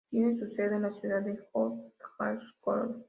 Tiene su sede en la ciudad de Hod HaSharon.